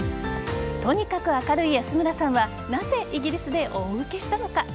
とにかく明るい安村さんはなぜイギリスで大うけしたのか。